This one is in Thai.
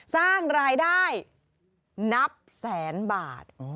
สร้างรายได้นับแสนบาท